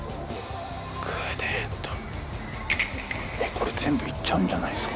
これ全部いっちゃうんじゃないですか？